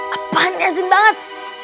apaan ya sih banget